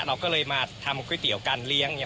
เราก็เลยมาทำก๋วยเตี๋ยวการเลี้ยง